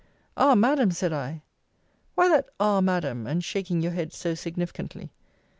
Ah! Madam, said I Why that Ah! Madam, and shaking your head so significantly?